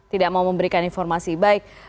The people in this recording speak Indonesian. tidak mau memberikan informasi baik